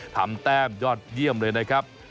แต้มยอดเยี่ยมเลยนะครับ